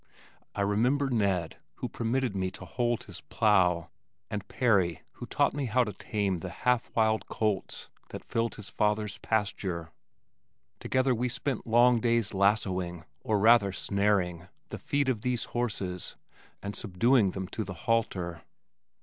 I remember Ned who permitted me to hold his plow, and Perry who taught me how to tame the half wild colts that filled his father's pasture. Together we spent long days lassoing or rather snaring the feet of these horses and subduing them to the halter.